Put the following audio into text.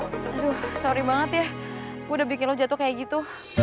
aduh sorry banget ya gue udah bikin lo jatuh kayak gitu